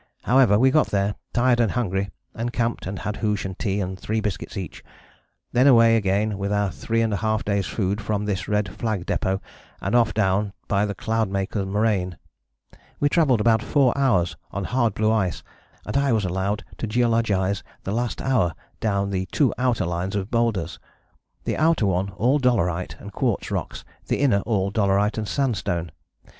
However, we got there, tired and hungry, and camped and had hoosh and tea and 3 biscuits each. Then away again with our three and a half days' food from this red flag depôt and off down by the Cloudmaker moraine. We travelled about 4 hours on hard blue ice, and I was allowed to geologize the last hour down the two outer lines of boulders. The outer one all dolerite and quartz rocks, the inner all dolerite and sandstone....